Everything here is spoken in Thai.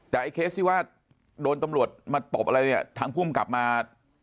แต่ไอ้เคสที่ว่าโดนตำรวจมาตบอะไรเนี่ยทางภูมิกลับมา